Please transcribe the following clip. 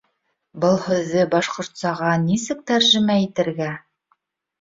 Был һүҙҙе башҡортсаға нисек тәржемә итергә?